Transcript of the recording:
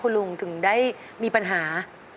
คุณลุงถึงได้มีปัญหา